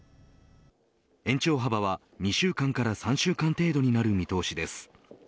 延長幅は２週間から３週間程度になる見通しです。